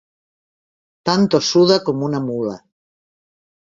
Tan tossuda com una mula.